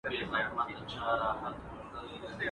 نن ځم له لېونو څخه به سوال د لاري وکم.